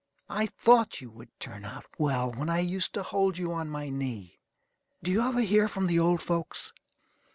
I thought you would turn out well when I used to hold you on my knee. Do you ever hear from the old folks?"